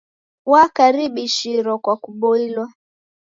Wakaribishiro kwa kuboilwa.